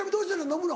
飲むの？